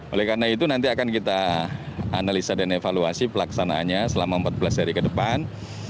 oleh karena itu nanti akan kita analisa dan evaluasi pelaksanaannya selama empat belas hari ke depan